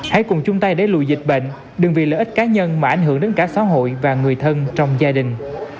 hãy cùng chung tay để lùi dịch bệnh đừng vì lợi ích cá nhân mà ảnh hưởng đến cả xã hội và người thân trong gia đình